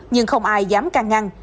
nhưng không ai dám càng ngăn